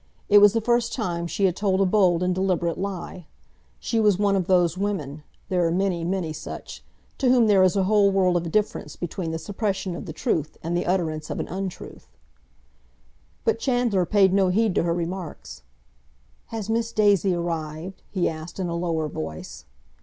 It was the first time she had told a bold and deliberate lie. She was one of those women—there are many, many such—to whom there is a whole world of difference between the suppression of the truth and the utterance of an untruth. But Chandler paid no heed to her remarks. "Has Miss Daisy arrived?" he asked, in a lower voice.